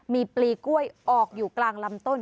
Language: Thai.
มีปลีกล้วยออกอยู่กลางลำต้น